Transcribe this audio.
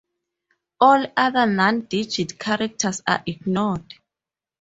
All other non-digit characters are ignored.